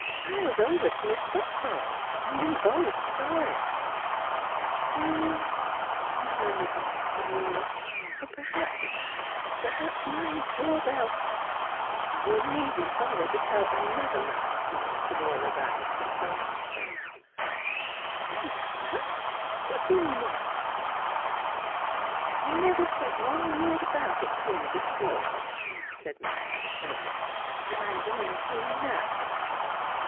" I was over t' Mis' Buckthorne's, an' we both saw him." " M — m," murmured Miss Philura. " Perhaps I — perhaps my door bell •—"" You needn't bother t' tell another lie t' me, Philura Rice," intoned Miss Pratt. " Another — What do you mean, Electa?" " I never said one word about it to you before," said Miss Pratt firmly, " but I'm goin' to now.